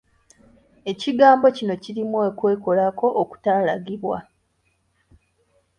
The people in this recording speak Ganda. Ekigambo kino kirimu okwekolako okutaalagibwa.